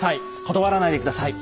断らないで下さい。